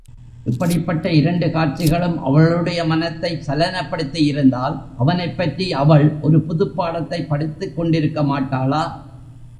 இப்படிப்பட்ட இரண்டு காட்சிகளும் அவளுடைய மனத்தைச் சலனப்படுத்தியிருந்தால், அவனைப் பற்றி அவள் ஒரு புதுப் பாடத்தைப் படித்துக் கொண்டிருக்கமாட்டாளா?